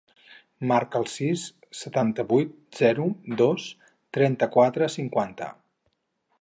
Marca el sis, setanta-vuit, zero, dos, trenta-quatre, cinquanta.